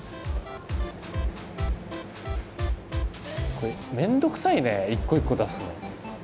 これ面倒くさいね一個一個出すの。